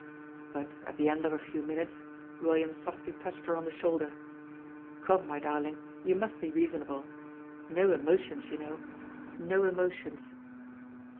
But, at the end of a few minutes, William softly touched her on the shoulder: "Come, my darling, you must be reasonable! No emotions, you know, no emotions!"